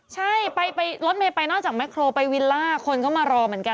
ใช่ไปรถเมย์ไปนอกจากแครไปวิลล่าคนก็มารอเหมือนกัน